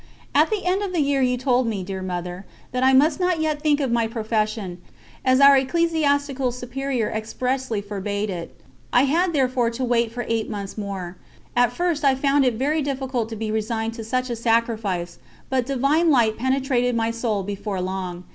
At the end of the year you told me, dear Mother, that I must not yet think of my profession, as our Ecclesiastical Superior expressly forbade it. I had therefore to wait for eight months more. At first I found it very difficult to be resigned to such a sacrifice, but divine light penetrated my soul before long.